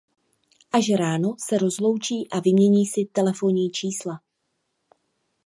Až ráno se rozloučí a vymění si telefonní čísla.